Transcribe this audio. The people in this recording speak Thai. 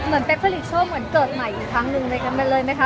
เหมือนเป็นผลิตช่วงเหมือนเกิดใหม่อยู่ทั้งหนึ่งเลยไหมคะ